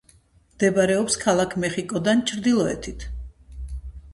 მდებარეობს ქალაქ მეხიკოდან ჩრდილოეთით.